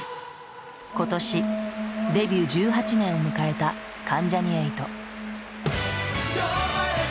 今年デビュー１８年を迎えた関ジャニ∞。